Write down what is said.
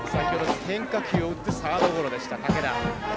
変化球を打ってサードゴロでした、武田。